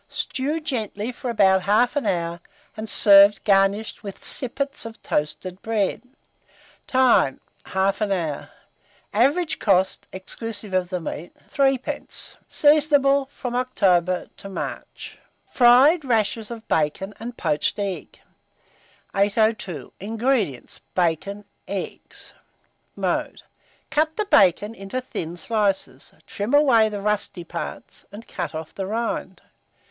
Stew gently for about 1/2 hour, and serve garnished with sippets of toasted bread. Time. 1/2 hour. Average cost, exclusive of the meat, 3d. Seasonable from October to March. FRIED RASHERS OF BACON AND POACHED EGGS. 802. INGREDIENTS. Bacon; eggs. Mode. Cut the bacon into thin slices, trim away the rusty parts, and cut off the rind.